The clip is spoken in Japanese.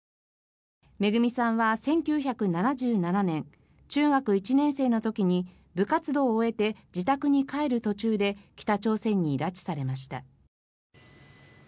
めぐみさんは１９７７年、中学１年生の時に部活動を終えて自宅に帰る途中で北朝鮮に拉致されました。